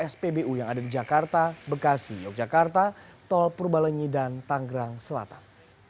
spbu yang ada di jakarta bekasi yogyakarta tol purbalenyi dan tanggerang selatan